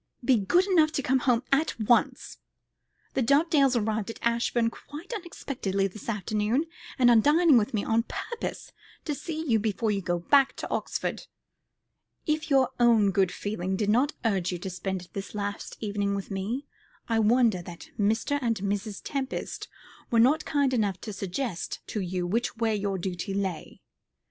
Be good enough to come home at once. The Dovedales arrived at Ashbourne quite unexpectedly this afternoon, and are dining with me on purpose to see you before you go back to Oxford. If your own good feeling did not urge you to spend this last evening with me, I wonder that Mr. and Mrs. Tempest were not kind enough to suggest to you which way your duty lay.